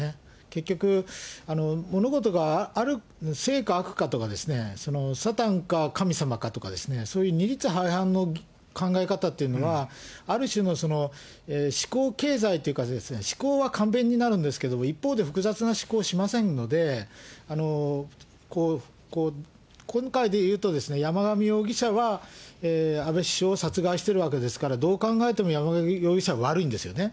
結局、物事が正か悪か、サタンか神様かとかね、そういう二律背反の考え方っていうのはある種の思考経済というか、思考は簡便になるんですけれども、一方で複雑な思考をしませんので、今回で言うと、山上容疑者は安倍首相を殺害してるわけですから、どう考えても山上容疑者は悪いんですよね。